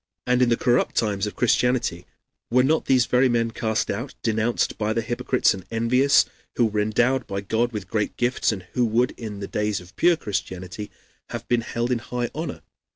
And in the corrupt times of Christianity were not these very men cast out, denounced by the hypocrites and envious, who were endowed by God with great gifts and who would in the days of pure Christianity have been held in high honor?